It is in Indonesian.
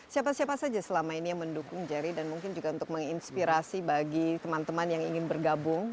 siapa siapa saja selama ini yang mendukung jerry dan mungkin juga untuk menginspirasi bagi teman teman yang ingin bergabung